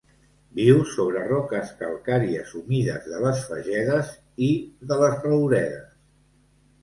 Viu sobre roques calcàries humides de les fagedes i de les rouredes.